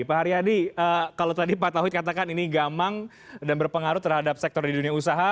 pak haryadi kalau tadi pak tauhid katakan ini gamang dan berpengaruh terhadap sektor di dunia usaha